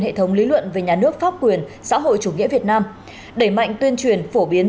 hệ thống lý luận về nhà nước pháp quyền xã hội chủ nghĩa việt nam đẩy mạnh tuyên truyền phổ biến